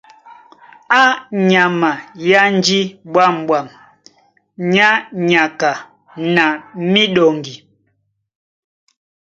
Á nyama é ánjí ɓwǎm̀ɓwam nyá nyaka na míɗɔŋgi.